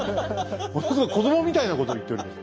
ものすごく子供みたいなことを言っております。